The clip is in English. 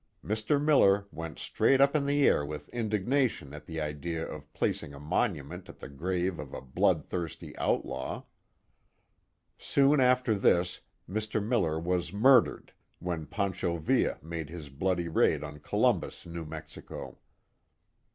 Mr. Miller went straight up in the air with indignation at the idea of placing a monument at the grave of a blood thirsty outlaw. Soon after this, Mr. Miller was murdered, when Pancho Villa made his bloody raid on Columbus, New Mexico.